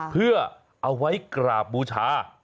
เพื่อเอาไว้กราบบูชา